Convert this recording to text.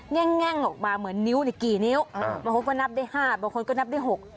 บางหัวอาจจะไม่เหมือนกันไง